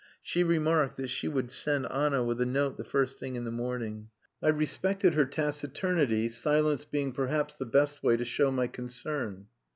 She remarked that she would send Anna with a note the first thing in the morning. I respected her taciturnity, silence being perhaps the best way to show my concern.